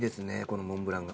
このモンブラン。